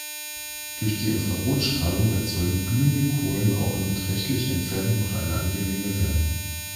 Durch die Infrarotstrahlung erzeugen glühende Kohlen auch in beträchtlicher Entfernung noch eine angenehme Wärme.